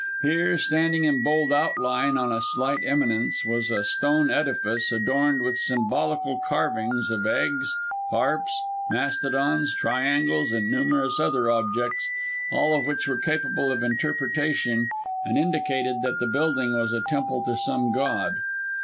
Here, standing in bold outline on a slight eminence, was a stone edifice adorned with symbolical carvings of eggs, harps, mastodons, triangles, and numerous other objects, all of which were capable of interpretation, and indicated that the building was a temple to some god.